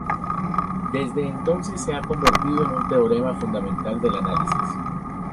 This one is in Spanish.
Desde entonces se ha convertido en un teorema fundamental del análisis.